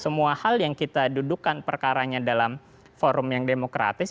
semua hal yang kita dudukan perkaranya dalam forum yang demokratis